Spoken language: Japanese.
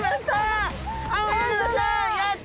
やった！